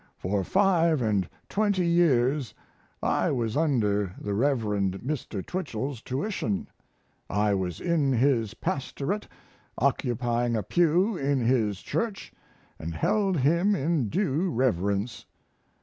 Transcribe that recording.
For five and twenty years I was under the Rev. Mr. Twichell's tuition, I was in his pastorate occupying a pew in his church and held him in due reverence.